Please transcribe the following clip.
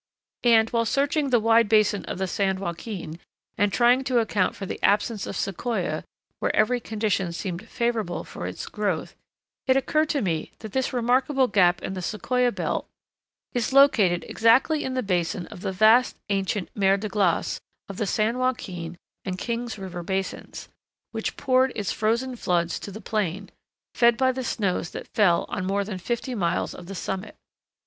And while searching the wide basin of the San Joaquin, and trying to account for the absence of Sequoia where every condition seemed favorable for its growth, it occured to me that this remarkable gap in the Sequoia belt is located exactly in the basin of the vast ancient mer de glace of the San Joaquin and King's River basins, which poured its frozen floods to the plain, fed by the snows that fell on more than fifty miles of the summit.